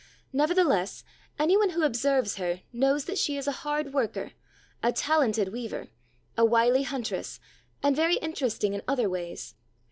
Nevertheless, any one who observes her knows that she is a hard worker, a talented weaver, a wily huntress, and very interesting in other ways.